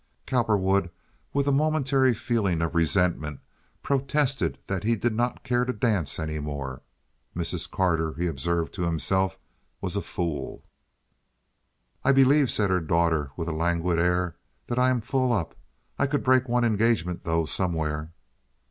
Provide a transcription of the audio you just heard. Cowperwood, with a momentary feeling of resentment, protested that he did not care to dance any more. Mrs. Carter, he observed to himself, was a fool. "I believe," said her daughter, with a languid air, "that I am full up. I could break one engagement, though, somewhere."